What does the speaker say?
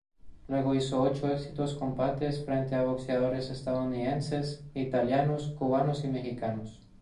Luego hizo ocho exitosos combates frente a boxeadores estadounidenses, italianos, cubanos y mexicanos.